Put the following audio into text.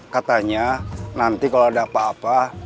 katanya nanti kalau ada apa apa